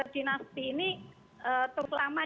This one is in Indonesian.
dinasti ini terlalu lama